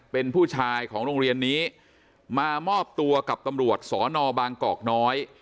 เป็นผู้ชายของโรงเรียนนี้มามอบตัวกับตำรวจสอนอบางกอกน้อย